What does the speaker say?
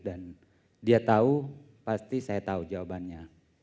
dan dia tahu pasti saya tahu jawabannya